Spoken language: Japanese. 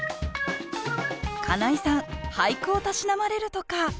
金井さん俳句をたしなまれるとか？